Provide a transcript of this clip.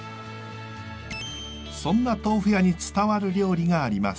そんな豆腐屋に伝わる料理があります。